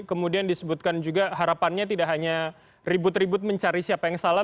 kemudian disebutkan juga harapannya tidak hanya ribut ribut mencari siapa yang salah